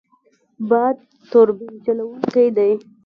باد توربین چلوونکی دی.